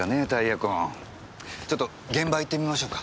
ちょっと現場へ行ってみましょうか。